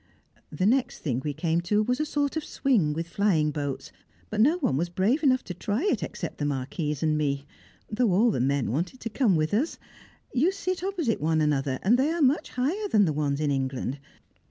The next thing we came to was a sort of swing with flying boats, but no one was brave enough to try it except the Marquise and me, though all the men wanted to come with us. You sit opposite one another, and they are much higher than the ones in England.